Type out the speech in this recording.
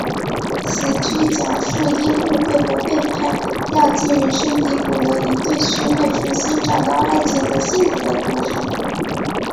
此剧讲述因误会和背叛掉进人生低谷的一对兄妹重新找到爱情和幸福的故事。